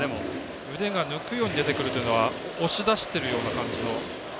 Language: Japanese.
腕が抜くように出てくるというのは押し出しているような感じの。